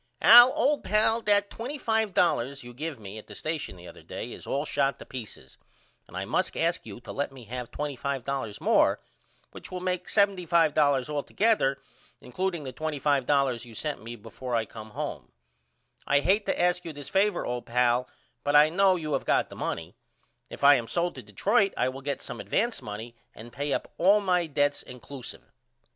Al old pal that $25.00 you give me at the station the other day is all shot to peaces and I must ask you to let me have $25.00 more which will make $75.00 all together includeing the $25.00 you sent me before I come home. I hate to ask you this favor old pal but I know you have got the money. If I am sold to Detroit I will get some advance money and pay up all my dedts incluseive.